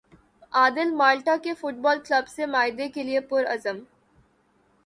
عادل Malta کے football club سے معاہدے کے لیے پرعزم